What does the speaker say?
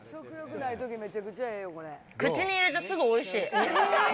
口に入れてすぐおいしい。